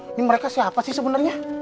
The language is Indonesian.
ini mereka siapa sih sebenarnya